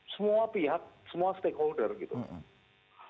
semua pihak semua stakeholder gitu